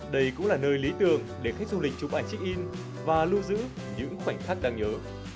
đây cũng là nơi lý tưởng để khách du lịch chụp ảnh check in và lưu giữ những khoảnh khắc đáng nhớ